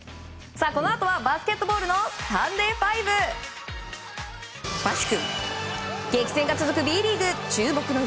このあとはバスケットボールのサンデーＦＩＶＥを詳しく。